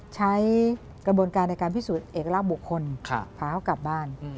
ใช้กระบวนการในการพิสูจน์เอกลักษณ์บุคคลพาเขากลับบ้าน